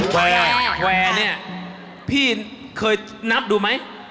แขวเนี่ยพี่เคยนับดูมั้ย